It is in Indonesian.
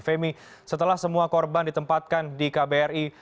femi setelah semua korban ditempatkan di kbri